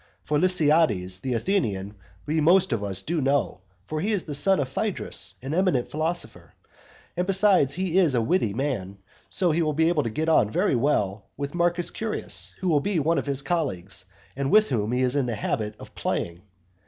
For Lysiades, the Athenian, we most of us do know. For he is the son of Phaedrus, an eminent philosopher. And, besides, he is a witty man, so that he will be able to get on very well with Marcus Curius, who will be one of his colleagues, and with whom he is in the habit of playing.